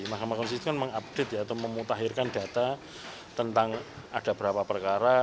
mahkamah konstitusi kan mengupdate atau memutahirkan data tentang ada berapa perkara